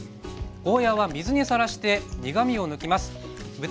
ゴーヤーは水にさらして苦みを抜きます。